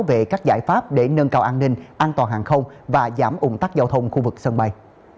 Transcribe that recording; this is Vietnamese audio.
về các giải pháp để nâng cao an ninh an toàn hàng không và giảm ủng tắc giao thông khu vực sân bay